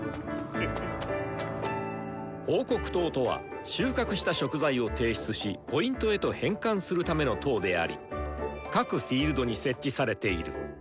「報告筒」とは収穫した食材を提出しＰへと変換するための塔であり各フィールドに設置されている。